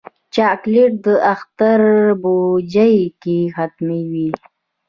چاکلېټ د اختر بوجۍ کې حتمي وي.